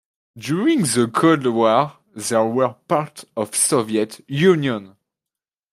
During the Cold War they were part of Soviet Union.